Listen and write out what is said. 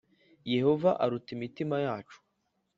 Yehova aruta imitima yacu